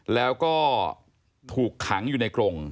แล้วก็ถูกขังอยู่ในกรง